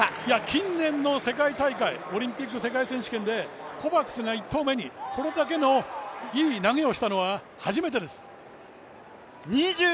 近年の世界大会、オリンピック、世界選手権でコバクスが１投目にこれだけのいい投げをしたのは初めてです。